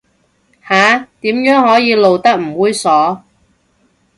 下，點樣可以露得唔猥褻